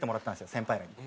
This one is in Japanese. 先輩らに。